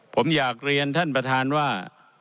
ผมอยากเรียนท่านประธานว่า